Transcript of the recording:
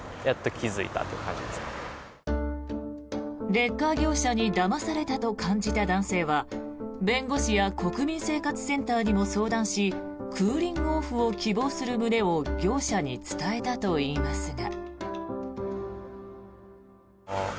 レッカー業者にだまされたと感じた男性は弁護士や国民生活センターにも相談しクーリングオフを希望する旨を業者に伝えたといいますが。